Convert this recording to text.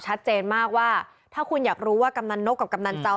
ชัดเจนมากว่าถ้าคุณอยากรู้ว่ากำนันนกกับกำนันเจ้า